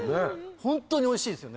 ホントにおいしいですよね。